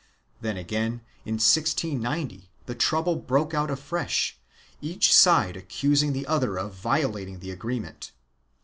Then again, in 1690, the trouble broke out afresh, each side accusing the other of violating the agreement.